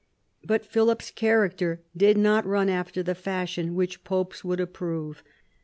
But Philip's character did not run after the fashion which popes would approve.